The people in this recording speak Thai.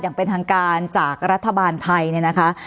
อย่างเป็นทางการจากรัฐบาลไทย